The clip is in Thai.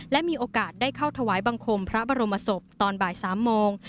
และมีโอกาสได้เข้าถวายบังคมพระบรมศพตอนบ่าย๓โมง